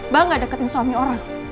bangga deketin suami orang